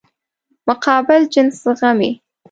مقابل جنس زغمي.